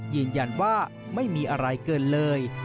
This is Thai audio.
ยืนยันว่าไม่มีอะไรเกินเลย